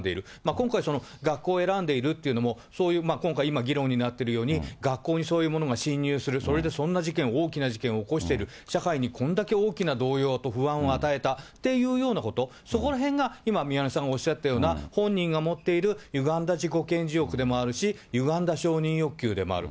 今回その学校を選んでいるっていうのも、そういう今回、今、議論になっているように、学校にそういう者が侵入する、それでそんな事件、大きな事件を起こしている、社会にこれだけ大きな動揺と不安を与えたというようなこと、そこらへんが今、宮根さんがおっしゃったような、本人が持っているゆがんだ自己顕示欲でもあるし、ゆがんだ承認欲求でもある。